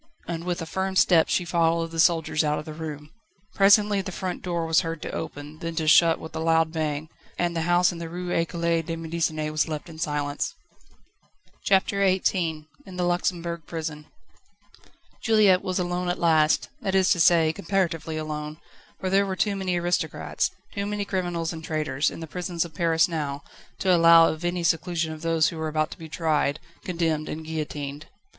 And with a firm step she followed the soldiers out of the room. Presently the front door was heard to open, then to shut with a loud bang, and the house in the Rue Ecole de Médecine was left in silence. CHAPTER XVIII In the Luxembourg prison. Juliette was alone at last that is to say, comparatively alone, for there were too many aristocrats, too many criminals and traitors, in the prisons of Paris now, to allow of any seclusion of those who were about to be tried, condemned, and guillotined.